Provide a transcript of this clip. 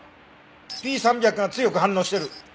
Ｐ３００が強く反応してる！